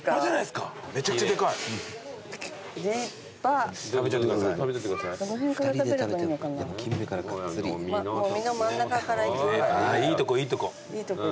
あぁいいとこいいとこ。